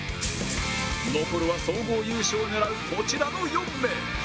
残るは総合優勝を狙うこちらの４名